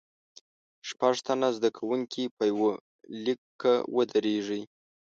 شپږ تنه زده کوونکي په یوه لیکه ودریږئ.